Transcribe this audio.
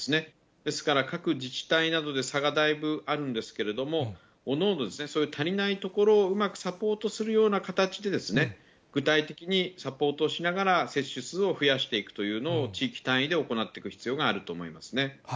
ですから各自治体などで差がだいぶあるんですけれども、各々足りないところをうまくサポートするような形で、具体的にサポートしながら接種数を増やしていくというのを、地域単位で行っていく必要があると思いますね。